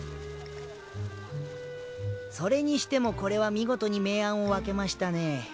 それにしてもこれは見事に明暗を分けましたねぇ。